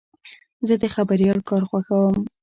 زه د خبریال کار خوښوم.